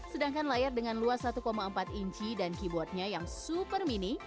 sedangkan layar dengan luas satu empat inci dan keyboardnya yang super mini